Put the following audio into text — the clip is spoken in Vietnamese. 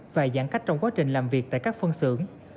và giãn cách trong quá trình làm việc tại các phân xưởng